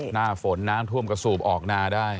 หน้าฝนน้ำท่วมกระสูบออกนาได้